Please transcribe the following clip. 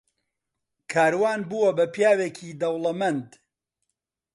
کاروان بووە بە پیاوێکی دەوڵەمەند.